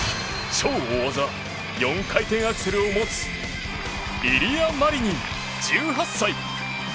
超大技４回転アクセルを持つイリア・マリニン、１８歳。